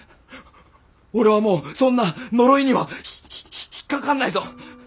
俺はもうそんな呪いにはひひひ引っ掛かんないぞ！